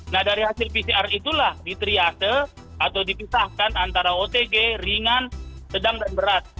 nah dari hasil pcr itulah di triase atau dipisahkan antara otg ringan sedang dan berat